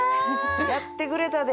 やってくれたで。